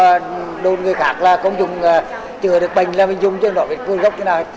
thầy đôn người khác là không dùng chữa được bệnh là mình dùng chứ không đọc về cơ gốc như thế nào